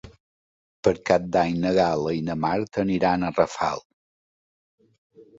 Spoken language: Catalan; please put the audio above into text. Per Cap d'Any na Gal·la i na Marta aniran a Rafal.